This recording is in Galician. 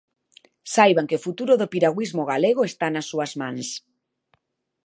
Saiban que o futuro do piragüismo galego está nas súas mans.